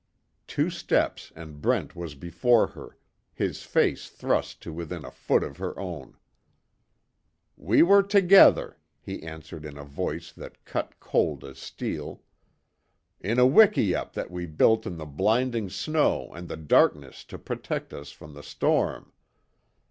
Two steps and Brent was before her, his face thrust to within a foot of her own: "We were together," he answered in a voice that cut cold as steel, "In a wikiup that we built in the blinding snow and the darkness to protect us from the storm.